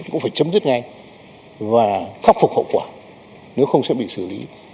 cũng phải chấm dứt ngay và khắc phục hậu quả nếu không sẽ bị xử lý